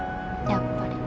やっぱり。